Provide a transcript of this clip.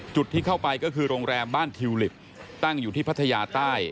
ที่เข้าไปก็คือโรงแรมบ้านทิวลิปตั้งอยู่ที่พัทยาใต้